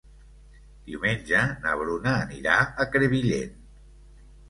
Diumenge na Bruna anirà a Crevillent.